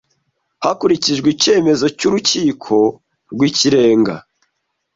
hakurikijwe icyemezo cy urukiko rwikirenga